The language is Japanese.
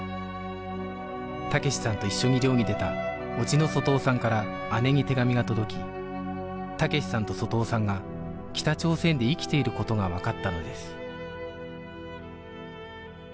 武志さんと一緒に漁に出た叔父の外雄さんから姉に手紙が届き武志さんと外雄さんが北朝鮮で生きていることがわかったのです